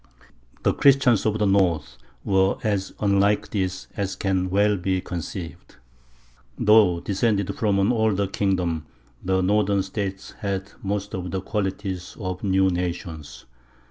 The Christians of the north were as unlike this as can well be conceived. Though descended from an older kingdom, the northern states had most of the qualities of new nations.